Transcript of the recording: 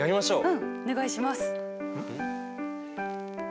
うんお願いします。